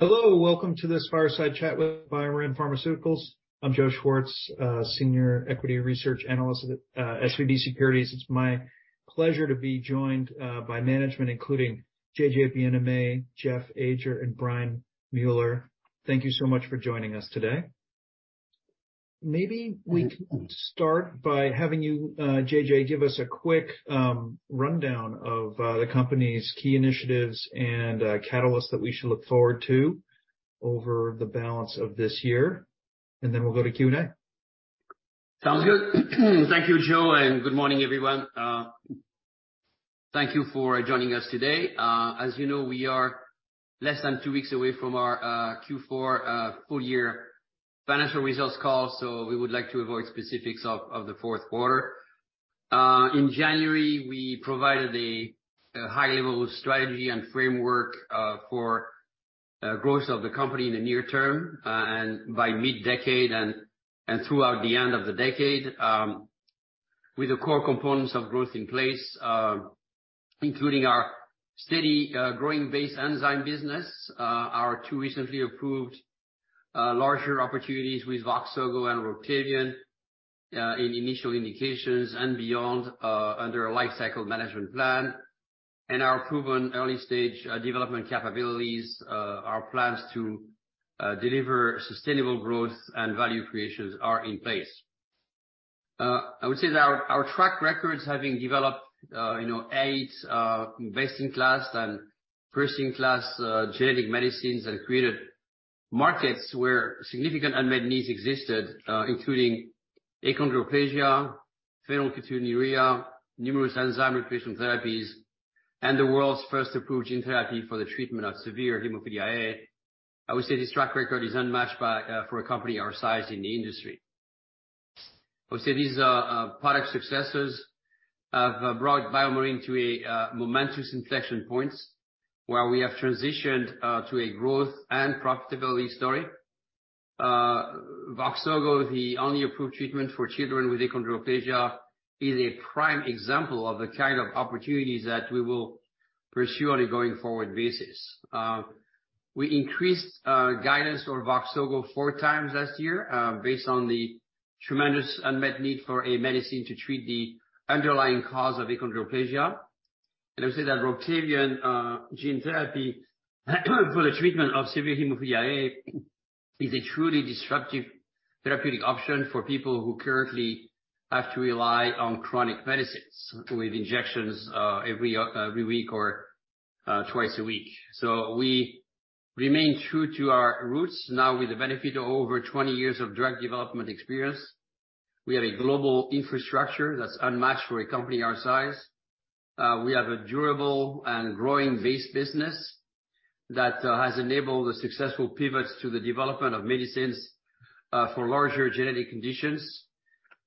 Hello, welcome to this fireside chat with BioMarin Pharmaceutical Inc. I'm Joe Schwartz, Senior Equity Research Analyst at SVB Securities. It's my pleasure to be joined by management, including J.J. Bienaime, Jeff Ajer, and Brian Mueller. Thank you so much for joining us today. Maybe we can start by having you, J.J., give us a quick rundown of the company's key initiatives and catalysts that we should look forward to over the balance of this year, and then we'll go to Q&A. Sounds good. Thank you, Joe, and good morning, everyone. Thank you for joining us today. As you know, we are less than two weeks away from our Q4 full year financial results call, so we would like to avoid specifics of the fourth quarter. In January, we provided a high-level strategy and framework for growth of the company in the near term and by mid-decade and throughout the end of the decade. With the core components of growth in place, including our steady growing base enzyme business, our two recently approved larger opportunities with VOXZOGO and ROCTAVIAN in initial indications and beyond under a lifecycle management plan, and our proven early-stage development capabilities, our plans to deliver sustainable growth and value creations are in place. I would say that our track records having developed, you know, eight best-in-class and first-in-class genetic medicines and created markets where significant unmet needs existed, including achondroplasia, phenylketonuria, numerous enzyme replacement therapies, and the world's first approved gene therapy for the treatment of severe hemophilia A. I would say this track record is unmatched by for a company our size in the industry. I would say these product successes have brought BioMarin to a momentous inflection points where we have transitioned to a growth and profitability story. VOXZOGO, the only approved treatment for children with achondroplasia, is a prime example of the kind of opportunities that we will pursue on a going forward basis. We increased guidance on VOXZOGO 4x last year, based on the tremendous unmet need for a medicine to treat the underlying cause of achondroplasia. I would say that ROCTAVIAN gene therapy for the treatment of severe hemophilia A is a truly disruptive therapeutic option for people who currently have to rely on chronic medicines with injections every week or twice a week. We remain true to our roots now with the benefit of over 20 years of drug development experience. We have a global infrastructure that's unmatched for a company our size. We have a durable and growing base business that has enabled the successful pivots to the development of medicines for larger genetic conditions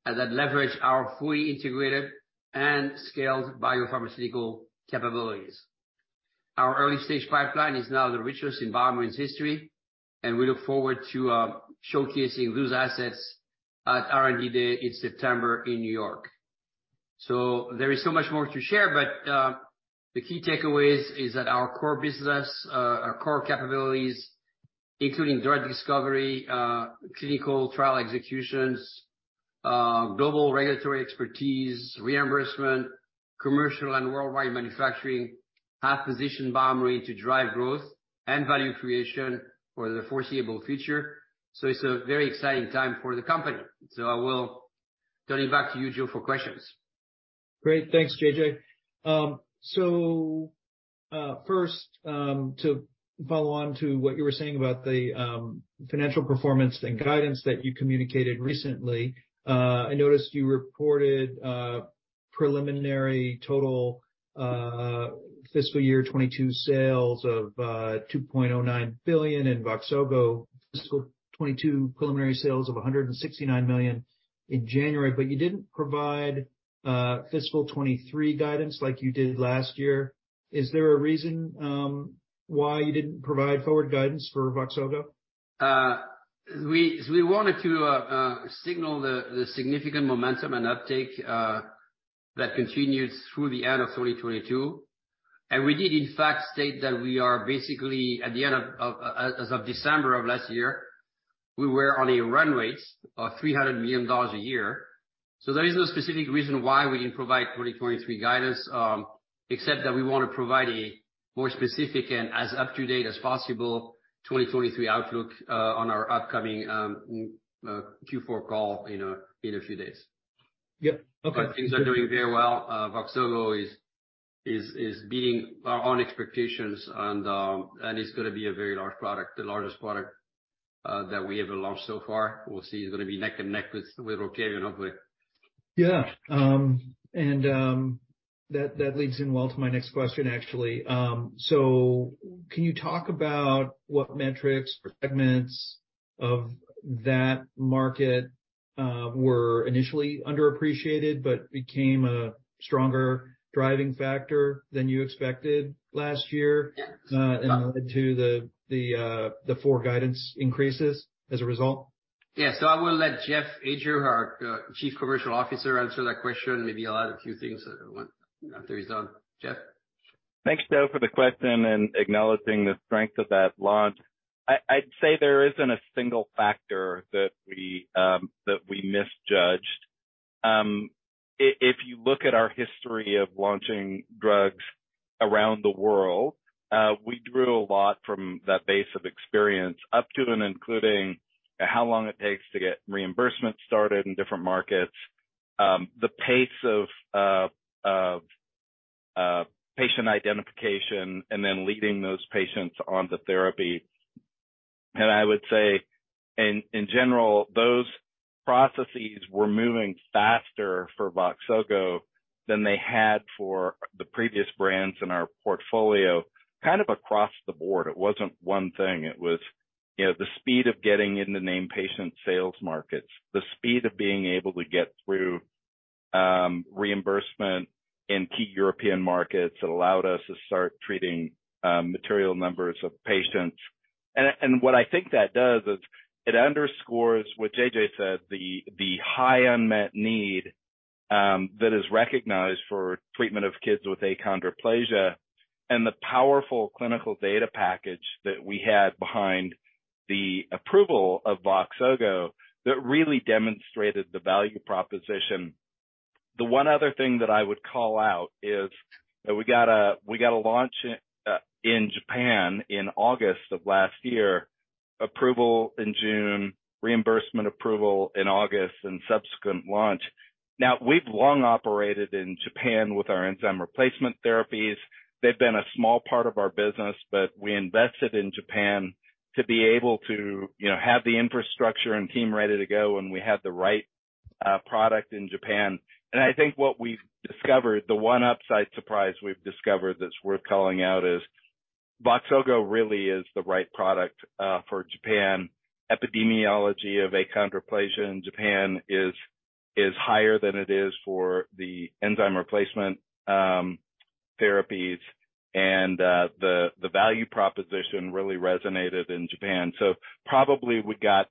and that leverage our fully integrated and scaled biopharmaceutical capabilities. Our early-stage pipeline is now the richest in BioMarin's history, and we look forward to showcasing those assets at R&D Day in September in New York. There is so much more to share, but the key takeaways is that our core business, our core capabilities, including drug discovery, clinical trial executions, global regulatory expertise, reimbursement, commercial and worldwide manufacturing, have positioned BioMarin to drive growth and value creation for the foreseeable future. It's a very exciting time for the company. I will turn it back to you, Joe, for questions. Great. Thanks, J.J. First, to follow on to what you were saying about the financial performance and guidance that you communicated recently, I noticed you reported preliminary total fiscal year 22 sales of $2.09 billion in VOXZOGO, fiscal 22 preliminary sales of $169 million in January. You didn't provide fiscal 23 guidance like you did last year. Is there a reason why you didn't provide forward guidance for VOXZOGO? We, we wanted to signal the significant momentum and uptake that continues through the end of 2022. We did in fact state that we are basically at the end of, as of December of last year, we were on a run rate of $300 million a year. There is no specific reason why we didn't provide 2023 guidance, except that we wanna provide a more specific and as up-to-date-as-possible 2023 outlook on our upcoming Q4 call in a few days. Yeah. Okay. Things are doing very well. VOXZOGO is beating our own expectations and it's going to be a very large product, the largest product that we have launched so far. We'll see. It's going to be neck and neck with ROCTAVIAN, hopefully. Yeah. That leads in well to my next question actually. Can you talk about what metrics, segments of that market were initially underappreciated but became a stronger driving factor than you expected last year, and to the forward guidance increases as a result? Yeah. I will let Jeff Ajer, our Chief Commercial Officer, answer that question. Maybe I'll add a few things when, after he's done. Jeff? Thanks, Joe, for the question and acknowledging the strength of that launch. I'd say there isn't a single factor that we misjudged. If you look at our history of launching drugs around the world, we drew a lot from that base of experience up to and including how long it takes to get reimbursement started in different markets, the pace of patient identification and then leading those patients on the therapy. I would say in general, those processes were moving faster for VOXZOGO than they had for the previous brands in our portfolio, kind of across the board. It wasn't one thing. It was, you know, the speed of getting into named patient sales markets, the speed of being able to get through, reimbursement in key European markets that allowed us to start treating, material numbers of patients. What I think that does is it underscores what J.J. said, the high unmet need that is recognized for treatment of kids with achondroplasia and the powerful clinical data package that we had behind the approval of VOXZOGO that really demonstrated the value proposition. The one other thing that I would call out is that we got a launch in Japan in August of last year. Approval in June, reimbursement approval in August, and subsequent launch. We've long operated in Japan with our enzyme replacement therapies. They've been a small part of our business, we invested in Japan to be able to, you know, have the infrastructure and team ready to go when we had the right product in Japan. I think what we've discovered, the one upside surprise we've discovered that's worth calling out is VOXZOGO really is the right product for Japan. Epidemiology of achondroplasia in Japan is higher than it is for the enzyme replacement therapies. The value proposition really resonated in Japan. Probably we got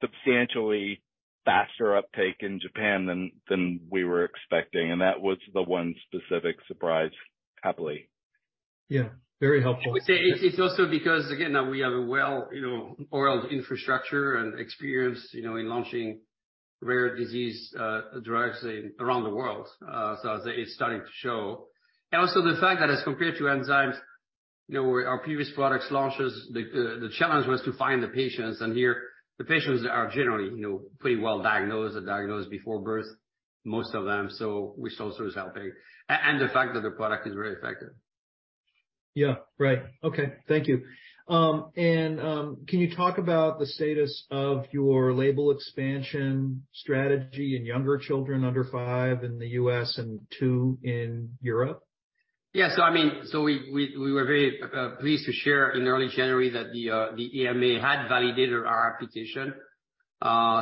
substantially faster uptake in Japan than we were expecting, and that was the one specific surprise, happily. Yeah. Very helpful. It's also because, again, we have a well, you know, oiled infrastructure and experience, you know, in launching rare disease drugs around the world. It's starting to show. Also the fact that as compared to enzymes, you know, our previous products launches, the challenge was to find the patients. Here the patients are generally, you know, pretty well diagnosed, are diagnosed before birth, most of them. Which also is helping. The fact that the product is very effective. Yeah. Right. Okay. Thank you. Can you talk about the status of your label expansion strategy in younger children under five in the US and two in Europe? Yeah. I mean, we were very pleased to share in early January that the EMA had validated our application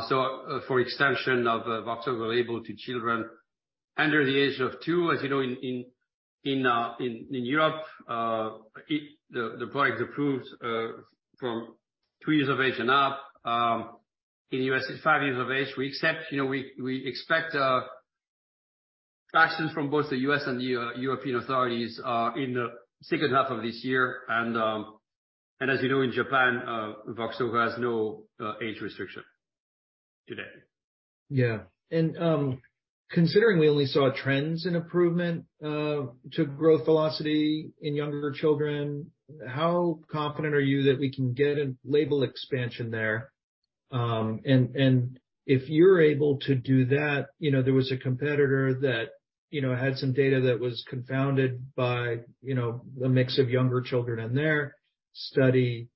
so for extension of VOXZOGO label to children under the age of two. As you know, in Europe, the product approves from three years of age and up. In the U.S. it's five years of age. We expect, you know, we expect actions from both the U.S. and the European authorities in the second half of this year. As you know, in Japan, VOXZOGO has no age restriction today. Yeah. Considering we only saw trends in improvement to growth velocity in younger children, how confident are you that we can get a label expansion there? And if you're able to do that, you know, there was a competitor that, you know, had some data that was confounded by, you know, the mix of younger children in their study.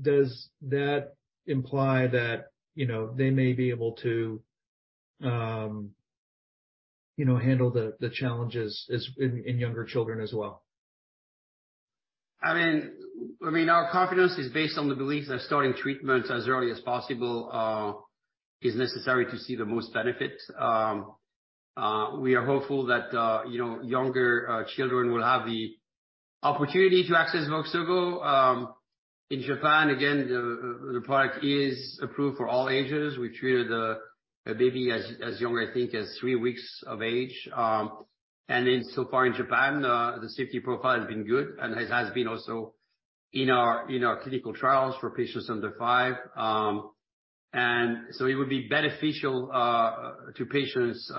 Does that imply that, you know, they may be able to, you know, handle the challenges in younger children as well? I mean, our confidence is based on the belief that starting treatment as early as possible is necessary to see the most benefit. We are hopeful that, you know, younger children will have the opportunity to access VOXZOGO. In Japan, again, the product is approved for all ages. We treated a baby as young, I think as three weeks of age. Then so far in Japan, the safety profile has been good and has been also in our clinical trials for patients under five. So it would be beneficial to patients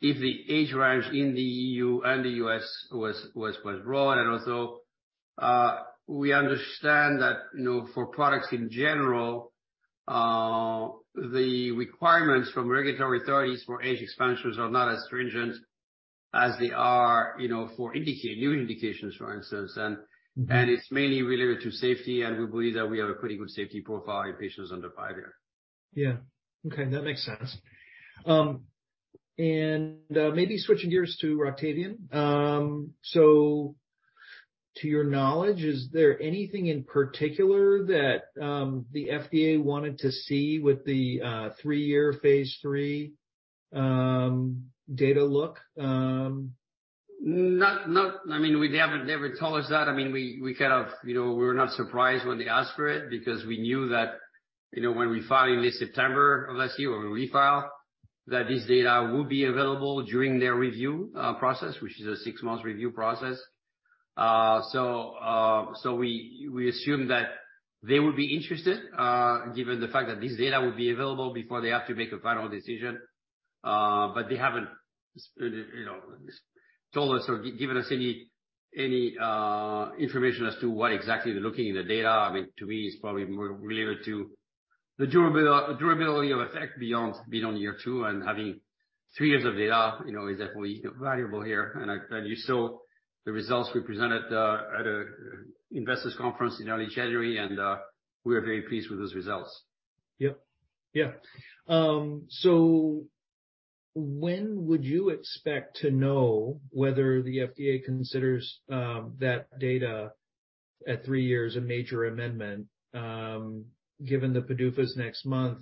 if the age range in the EU and the U.S. was broad. Also, we understand that, you know, for products in general, the requirements from regulatory authorities for age expansions are not as stringent as they are, you know, for new indications, for instance. It's mainly related to safety, and we believe that we have a pretty good safety profile in patients under five there. Yeah. Okay. That makes sense. Maybe switching gears to ROCTAVIAN. To your knowledge, is there anything in particular that the FDA wanted to see with the three year phase III data look? Not, I mean, they haven't told us that. I mean, we kind of, you know, we were not surprised when they asked for it because we knew that, you know, when we filed in late September of last year, when we refiled, that this data would be available during their review process, which is a six month review process. So we assume that they would be interested, given the fact that this data would be available before they have to make a final decision. But they haven't, you know, told us or given us any information as to what exactly they're looking in the data. I mean, to me, it's probably more related to the durability of effect beyond year two and having three years of data, you know, is definitely valuable here. You saw the results we presented at a investors conference in early January. We are very pleased with those results. Yep. Yeah. When would you expect to know whether the FDA considers that data at three years a major amendment, given the PDUFA's next month?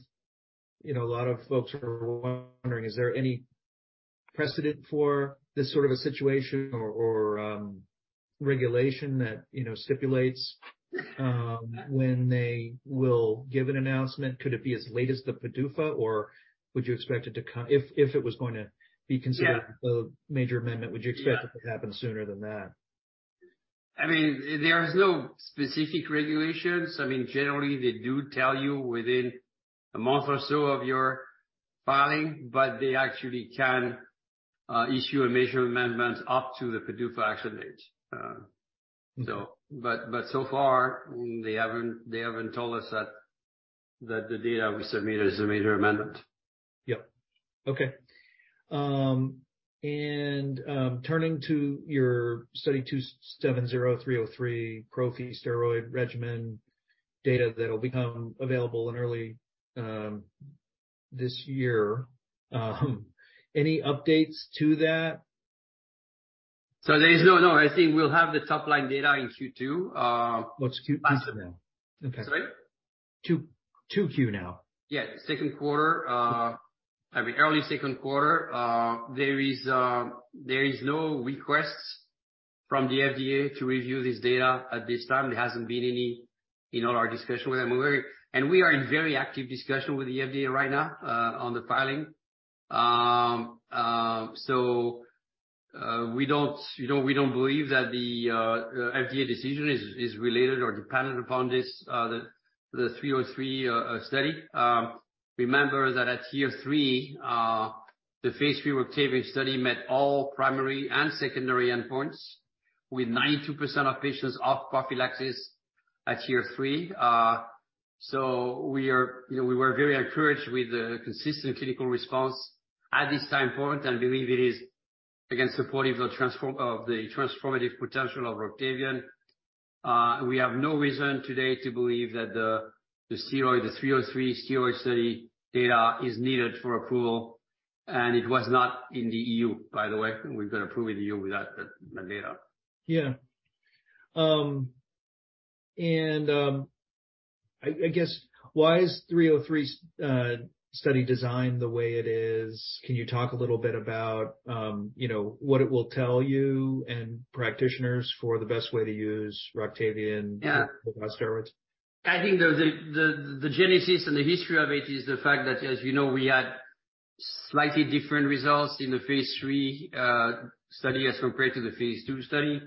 You know, a lot of folks are wondering, is there any precedent for this sort of a situation or regulation that, you know, stipulates when they will give an announcement? Could it be as late as the PDUFA, or would you expect it to if it was going to be considered. Yeah. -a major amendment, would you expect it to happen sooner than that? I mean, there is no specific regulations. I mean, generally, they do tell you within a month or so of your filing, but they actually can issue a major amendment up to the PDUFA action date. But so far, they haven't told us that the data we submitted is a major amendment. Yep. Okay. Turning to your study 270-303 prophy steroid regimen data that'll become available in early this year. Any updates to that? No, I think we'll have the top-line data in Q2. What's Q two now? Sorry? two, 2Q now. Yeah. Second quarter. I mean, early second quarter. There is no requests from the FDA to review this data at this time. There hasn't been any in all our discussion with them. We are in very active discussion with the FDA right now on the filing. We don't, you know, we don't believe that the FDA decision is related or dependent upon this, the 303 study. Remember that at year three, the phase III ROCTAVIAN study met all primary and secondary endpoints with 92% of patients off prophylaxis at year three. We are, you know, we were very encouraged with the consistent clinical response at this time point and believe it is again supportive of the transformative potential of ROCTAVIAN. We have no reason today to believe that the steroid, the 303 steroid study data is needed for approval. It was not in the EU, by the way. We got approved in the EU without the data. Yeah. I guess why is 303 study designed the way it is? Can you talk a little bit about, you know, what it will tell you and practitioners for the best way to use ROCTAVIAN? Yeah. with steroids? I think the genesis and the history of it is the fact that, as you know, we had slightly different results in the phase III study as compared to the phase II study.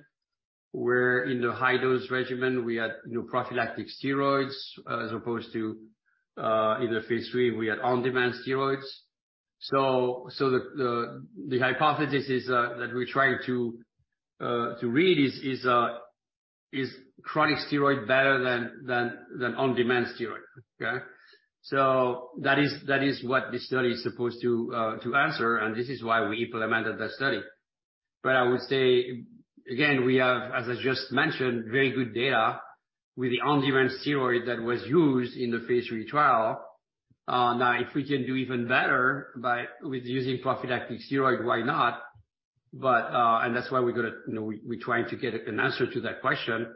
Where in the high-dose regimen we had, you know, prophylactic steroids as opposed to in the phase III we had on-demand steroids. The hypothesis is that we're trying to read is chronic steroid better than on-demand steroid. Okay? That is what the study is supposed to answer, and this is why we implemented that study. I would say, again, we have, as I just mentioned, very good data with the on-demand steroid that was used in the phase III trial. now if we can do even better by with using prophy steroid, why not? That's why we gotta, you know, we trying to get an answer to that question.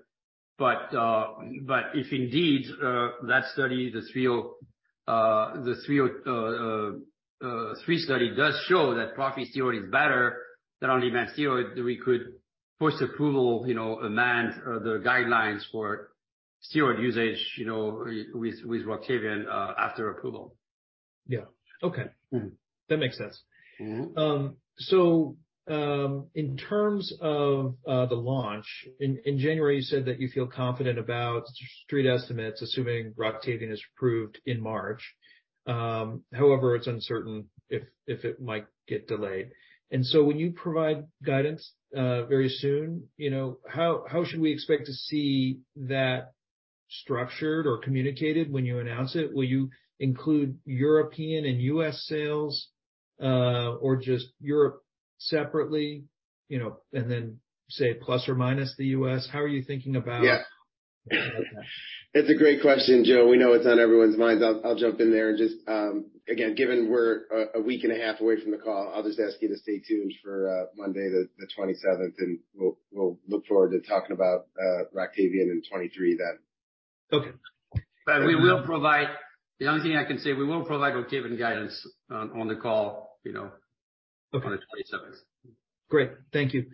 If indeed, that study, the 303 study does show that prophy steroid is better than on-demand steroid, we could post-approval, you know, amend the guidelines for steroid usage, you know, with ROCTAVIAN, after approval. Yeah. Okay. Mm-hmm. That makes sense. Mm-hmm. In terms of the launch, in January, you said that you feel confident about street estimates, assuming ROCTAVIAN is approved in March. However, it's uncertain if it might get delayed. When you provide guidance, very soon, you know, how should we expect to see that structured or communicated when you announce it? Will you include European and U.S. sales, or just Europe separately, you know, and then say plus or minus the U.S.? How are you thinking about... Yeah. -that? It's a great question, Joe. We know it's on everyone's minds. I'll jump in there and just again, given we're a week and a half away from the call, I'll just ask you to stay tuned for Monday, the 27th, and we'll look forward to talking about ROCTAVIAN in 2023 then. Okay. We will provide the only thing I can say, we will provide ROCTAVIAN guidance on the call, you know, on the 27th. Great. Thank you.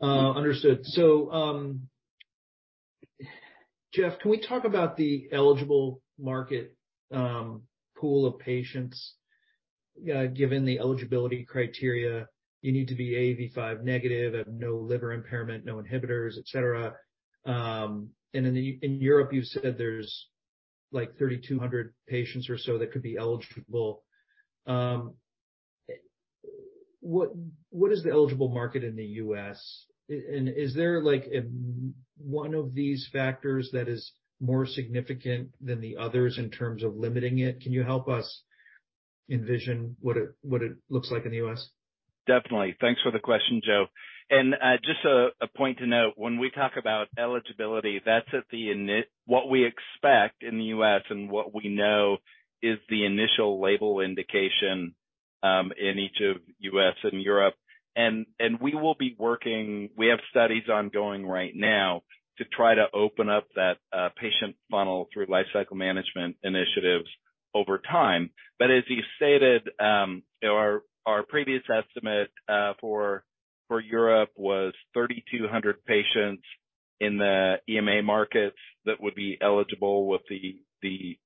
Understood. Jeff, can we talk about the eligible market, pool of patients? Given the eligibility criteria, you need to be AAV5 negative, have no liver impairment, no inhibitors, et cetera. And in Europe, you said there's like 3,200 patients or so that could be eligible. What is the eligible market in the U.S., and is there like a one of these factors that is more significant than the others in terms of limiting it? Can you help us envision what it looks like in the U.S.? Definitely. Thanks for the question, Joe. Just a point to note, when we talk about eligibility, that's at what we expect in the U.S. and what we know is the initial label indication in each of U.S. and Europe. We will be working, we have studies ongoing right now to try to open up that patient funnel through lifecycle management initiatives over time. As you stated, our previous estimate for Europe was 3,200 patients in the EMA markets that would be eligible with the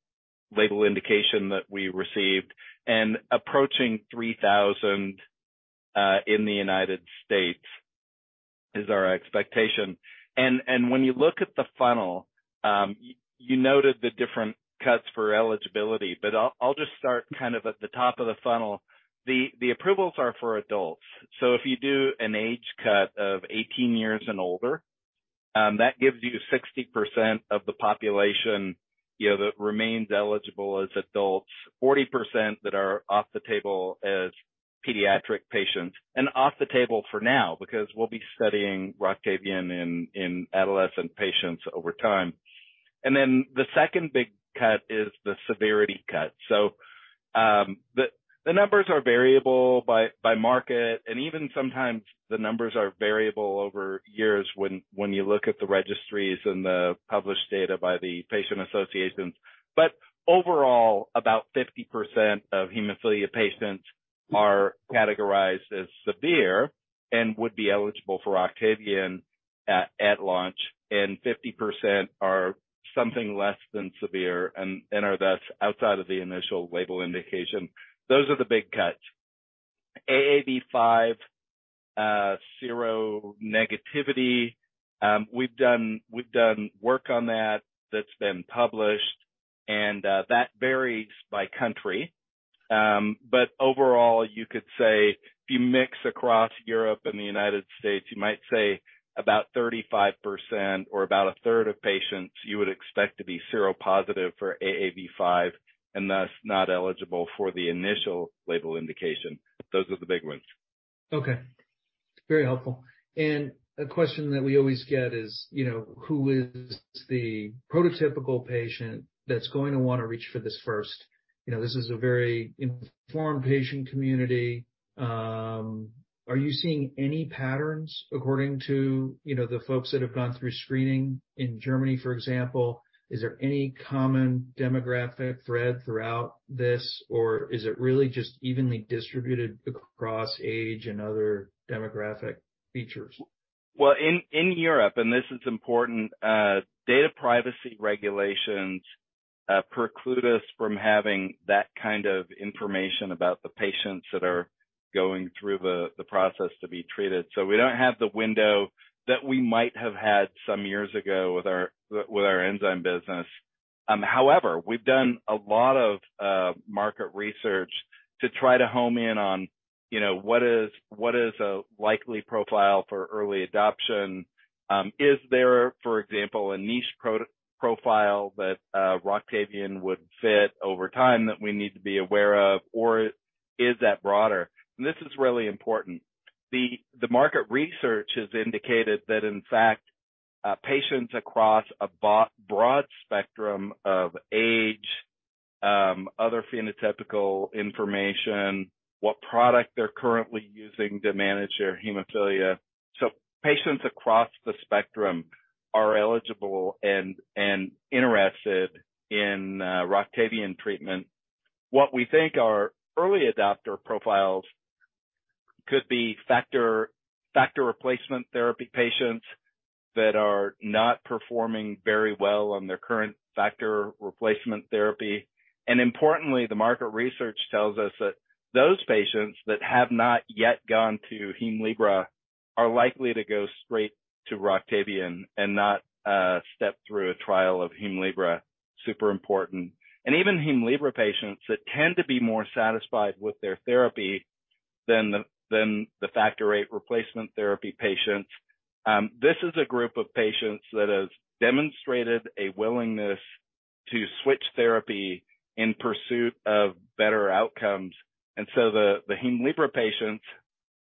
label indication that we received, and approaching 3,000 in the United States is our expectation. When you look at the funnel, you noted the different cuts for eligibility, but I'll just start kind of at the top of the funnel. The approvals are for adults. If you do an age cut of 18 years and older, that gives you 60% of the population, you know, that remains eligible as adults. 40% that are off the table as pediatric patients, and off the table for now, because we'll be studying ROCTAVIAN in adolescent patients over time. The second big cut is the severity cut. The numbers are variable by market, and even sometimes the numbers are variable over years when you look at the registries and the published data by the patient associations. Overall, about 50% of hemophilia patients are categorized as severe and would be eligible for ROCTAVIAN at launch, and 50% are something less than severe and are thus outside of the initial label indication. Those are the big cuts. AAV5, seronegativity, we've done, we've done work on that that's been published. That varies by country. Overall, you could say if you mix across Europe and the United States, you might say about 35% or about a third of patients you would expect to be seropositive for AAV5 and thus not eligible for the initial label indication. Those are the big ones. Okay. Very helpful. A question that we always get is, you know, who is the prototypical patient that's going to wanna reach for this first? You know, this is a very informed patient community. Are you seeing any patterns according to, you know, the folks that have gone through screening in Germany, for example? Is there any common demographic thread throughout this, or is it really just evenly distributed across age and other demographic features? Well, in Europe, and this is important, data privacy regulations preclude us from having that kind of information about the patients that are going through the process to be treated. We don't have the window that we might have had some years ago with our, with our enzyme business. However, we've done a lot of market research to try to home in on, you know, what is, what is a likely profile for early adoption? Is there, for example, a niche profile that ROCTAVIAN would fit over time that we need to be aware of, or is that broader? This is really important. The market research has indicated that in fact, patients across a broad spectrum of age, other phenotypical information, what product they're currently using to manage their hemophilia. Patients across the spectrum are eligible and interested in ROCTAVIAN treatment. What we think are early adopter profiles could be factor replacement therapy patients that are not performing very well on their current factor replacement therapy. Importantly, the market research tells us that those patients that have not yet gone to Hemlibra are likely to go straight to ROCTAVIAN and not step through a trial of Hemlibra. Super important. Even Hemlibra patients that tend to be more satisfied with their therapy than the Factor VIII replacement therapy patients, this is a group of patients that has demonstrated a willingness to switch therapy in pursuit of better outcomes. The Hemlibra patients,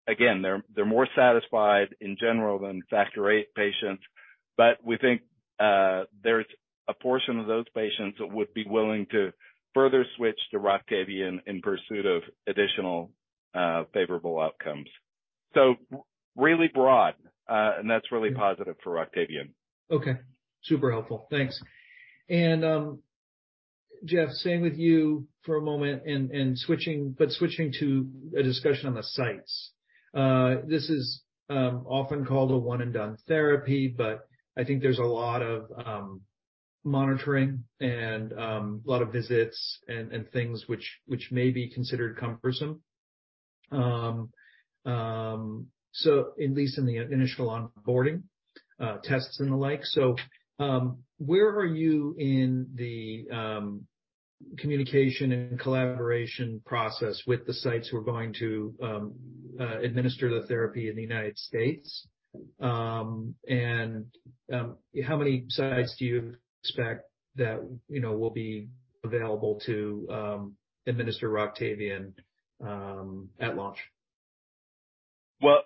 again, they're more satisfied in general than Factor VIII patients, but we think there's a portion of those patients that would be willing to further switch to ROCTAVIAN in pursuit of additional favorable outcomes. Really broad, and that's really positive for ROCTAVIAN. Okay, super helpful. Thanks. Jeff, staying with you for a moment and switching to a discussion on the sites. This is often called a one and done therapy, but I think there's a lot of monitoring and a lot of visits and things which may be considered cumbersome. At least in the initial onboarding, tests and the like. Where are you in the communication and collaboration process with the sites who are going to administer the therapy in the United States? How many sites do you expect that, you know, will be available to administer ROCTAVIAN at launch? Well,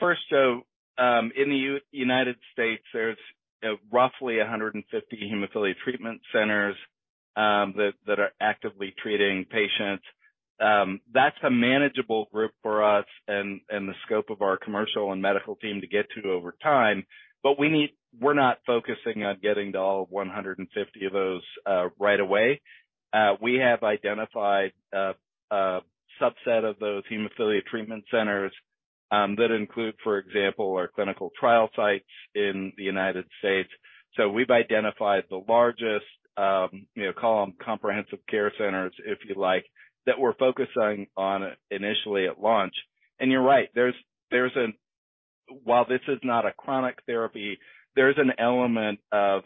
first, so, in the United States, there's, you know, roughly 150 hemophilia treatment centers that are actively treating patients. That's a manageable group for us and the scope of our commercial and medical team to get to over time. We're not focusing on getting to all 150 of those right away. We have identified a subset of those hemophilia treatment centers that include, for example, our clinical trial sites in the United States. We've identified the largest, you know, call them comprehensive care centers, if you like, that we're focusing on initially at launch. You're right, there's while this is not a chronic therapy, there is an element of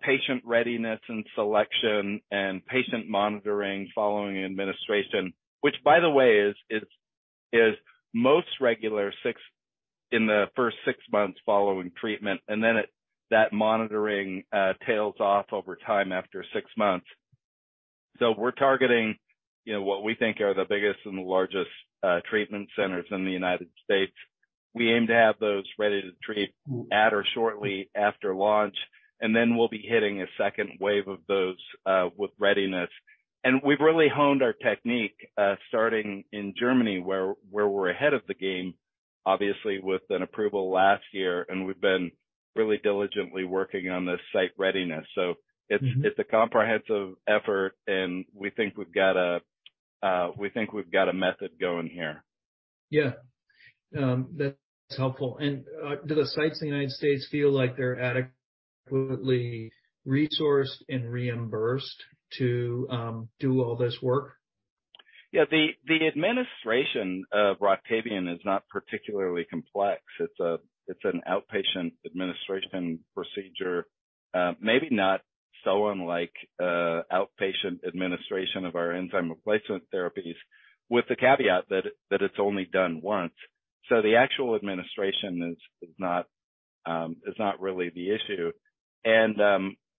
patient readiness and selection and patient monitoring following administration. Which by the way is most regular in the first six months following treatment, and then it, that monitoring tails off over time after six months. We're targeting, you know, what we think are the biggest and the largest treatment centers in the United States. We aim to have those ready to treat at or shortly after launch, and then we'll be hitting a second wave of those with readiness. We've really honed our technique starting in Germany, where we're ahead of the game, obviously with an approval last year, and we've been really diligently working on the site readiness. Mm-hmm. It's a comprehensive effort, and we think we've got a method going here. Yeah. That's helpful. Do the sites in the United States feel like they're adequately resourced and reimbursed to do all this work? Yeah, the administration of ROCTAVIAN is not particularly complex. It's an outpatient administration procedure, maybe not so unlike outpatient administration of our enzyme replacement therapies, with the caveat that it's only done once. The actual administration is not really the issue.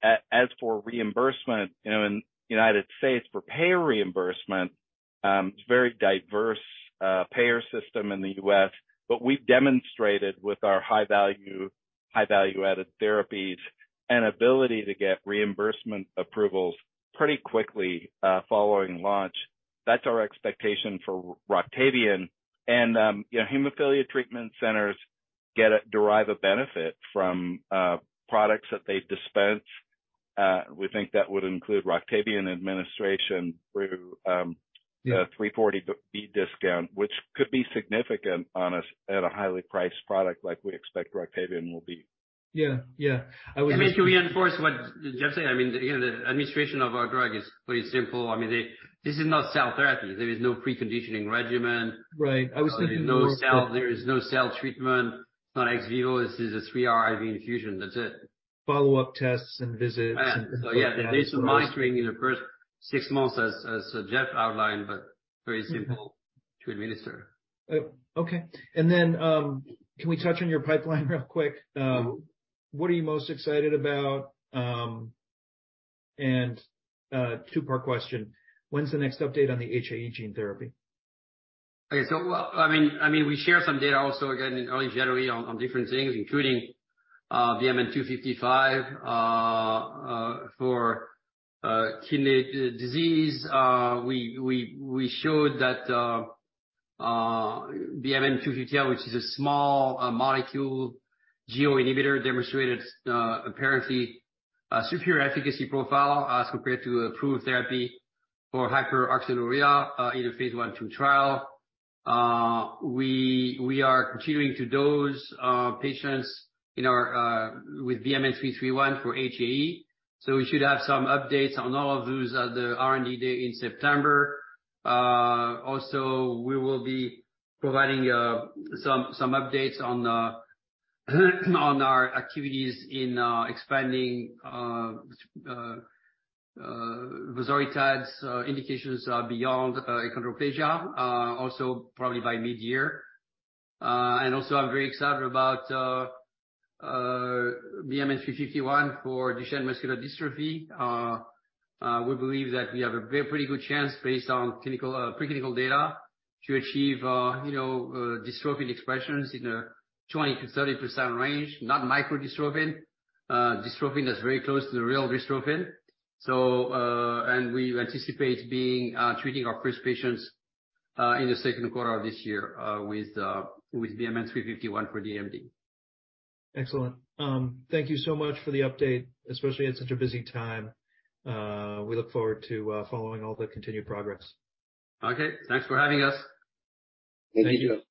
As for reimbursement, you know, in United States for payer reimbursement, it's a very diverse payer system in the U.S. We've demonstrated with our high value-added therapies, an ability to get reimbursement approvals pretty quickly following launch. That's our expectation for ROCTAVIAN. You know, hemophilia treatment centers derive a benefit from products that they dispense. We think that would include ROCTAVIAN administration through. Yeah. The 340B discount, which could be significant on a, at a highly priced product like we expect ROCTAVIAN will be. Yeah. Yeah. Just to reinforce what Jeff said, I mean, you know, the administration of our drug is pretty simple. I mean, this is not cell therapy. There is no preconditioning regimen. Right. I was thinking more- There is no cell, there is no cell treatment. It's not ex vivo. This is a three-hour IV infusion. That's it. Follow-up tests and visits. Oh, yeah. There's some monitoring in the first six months as Jeff outlined, but very simple to administer. Oh, okay. Can we touch on your pipeline real quick? What are you most excited about? Two-part question. When's the next update on the HAE gene therapy? Okay. I mean, we share some data also again in early January on different things, including BMN-255 for kidney disease. We showed that BMN-257, which is a small molecule GO-inhibitor, demonstrated apparently a superior efficacy profile as compared to approved therapy for hyperoxaluria in a phase I/II trial. We are continuing to dose patients in our with BMN-331 for HAE. We should have some updates on all of those at the R&D Day in September. Also, we will be providing some updates on our activities in expanding vosoritide's indications beyond achondroplasia also probably by mid-year. Also I'm very excited about BMN-351 for Duchenne muscular dystrophy. We believe that we have a very pretty good chance based on clinical pre-clinical data to achieve, you know, dystrophin expressions in a 20%-30% range. Not micro-dystrophin. Dystrophin that's very close to the real dystrophin. And we anticipate being treating our first patients in the second quarter of this year with BMN 351 for DMD. Excellent. Thank you so much for the update, especially at such a busy time. We look forward to following all the continued progress. Okay. Thanks for having us. Thank you.